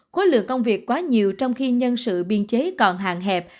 khối lượng công việc quá nhiều trong khi nhân sự biên chế còn hàng hẹp